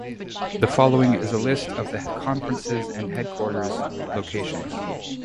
The following is a list of the conferences and headquarters locations.